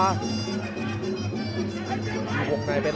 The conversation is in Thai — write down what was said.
วงในเป็นหลังแล้วครับพอทำได้ครับ